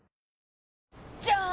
じゃーん！